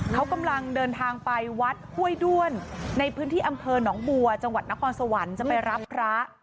เขากำลังเดินทางไปวัดห้วยด้วนในพื้นที่อำเภอหนองบัวจังหวัดนครสวรรค์จะไปรับพระ